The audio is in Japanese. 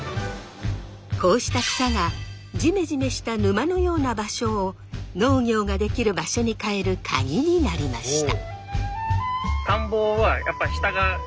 こうした草がジメジメした沼のような場所を農業ができる場所に変えるカギになりました。